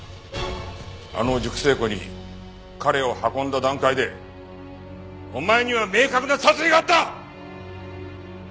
あの熟成庫に彼を運んだ段階でお前には明確な殺意があった！